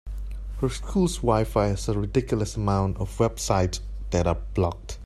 Her school’s WiFi has a ridiculous amount of websites that are blocked.